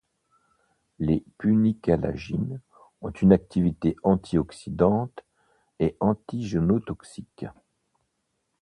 Les punicalagines ont une activité anti-oxydante et antigénotoxique.